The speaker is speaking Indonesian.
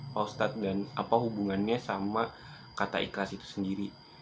pak ustadz dan apa hubungannya sama kata ikhlas itu sendiri